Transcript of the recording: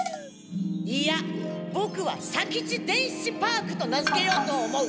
いやボクは左吉・伝七パークと名づけようと思う。